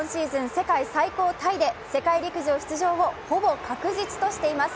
世界最高タイで世界陸上出場をほぼ確実としています。